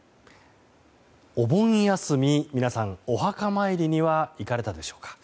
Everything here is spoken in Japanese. お盆休み皆さん、お墓参りには行かれたでしょうか。